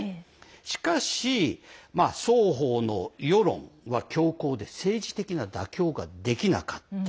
しかし、双方の世論は強硬で政治的な妥協ができなかった。